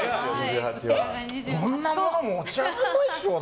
こんなもの持ち上がらないでしょ。